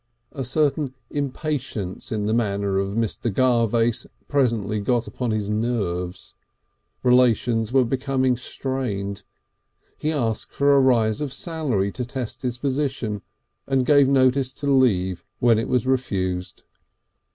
A certain impatience in the manner of Mr. Garvace presently got upon his nerves. Relations were becoming strained. He asked for a rise of salary to test his position, and gave notice to leave when it was refused.